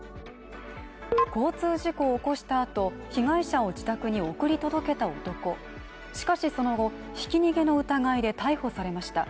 交通事故を起こした後、被害者を自宅に送り届けた男しかしその後ひき逃げの疑いで逮捕されました